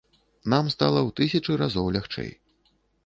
Нам стала ў тысячы разоў лягчэй.